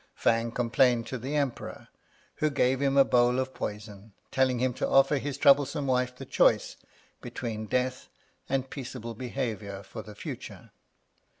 Fang complained to the Emperor, who gave him a bowl of poison, telling him to offer his troublesome wife the choice between death and peaceable behaviour for the future.